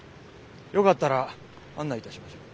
よかったら案内いたしましょう。